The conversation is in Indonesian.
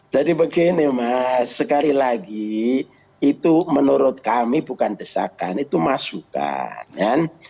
jadi begini mas sekali lagi itu menurut kami bukan desakan itu masukan